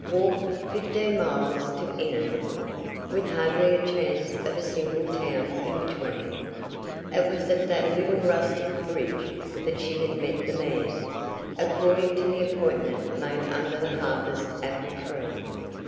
Walk! Fifteen miles to Innernook! With hardly a chance of a single town in between! It was at the little rustic bridge that she had met the man, according to the appointment made under the harvest apple tree.